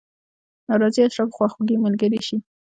ناراضي اشرافو خواخوږي ملګرې شي.